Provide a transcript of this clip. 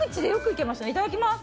いただきます。